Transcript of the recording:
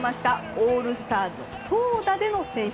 オールスターの投打での選出。